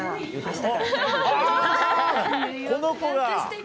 この子が。